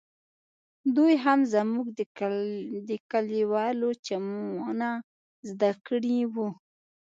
دوى هم زموږ د کليوالو چمونه زده کړي وو.